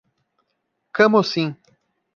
Camocim